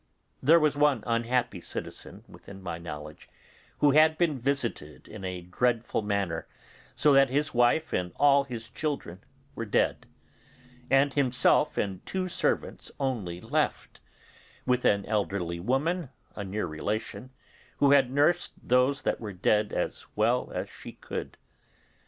There was one unhappy citizen within my knowledge who had been visited in a dreadful manner, so that his wife and all his children were dead, and himself and two servants only left, with an elderly woman, a near relation, who had nursed those that were dead as well as she could.